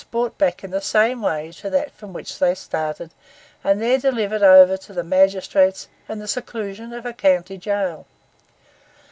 brought back in the same way to that from which they started, and there delivered over to the magistrates and the seclusion of a county jail.